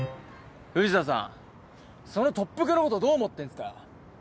藤田さんその特服のことどう思ってんすか？